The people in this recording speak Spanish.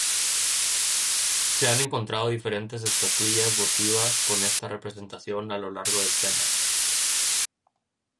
Se han encontrado diferentes estatuillas votivas con esta representación a lo largo del Sena.